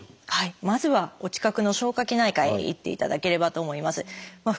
まずはお近くの消化器内科へ行っていただければと思います。